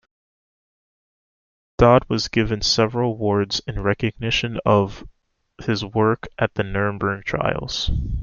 Dodd was given several awards in recognition of his work at the Nuremberg trials.